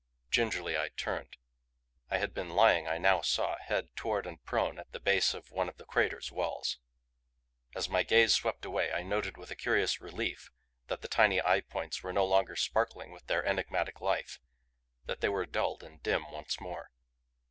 Gingerly I turned. I had been lying, I now saw, head toward and prone at the base of one of the crater's walls. As my gaze swept away I noted with a curious relief that the tiny eye points were no longer sparkling with their enigmatic life, that they were dulled and dim once more.